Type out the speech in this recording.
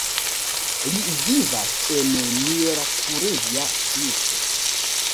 Li vivas en Miercurea Ciuc.